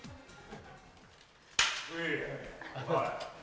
おい！